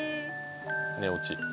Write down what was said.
寝落ち。